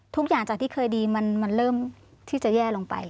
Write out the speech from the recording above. ทุกอย่างจากที่เคยดีมันเริ่มที่จะแย่ลงไป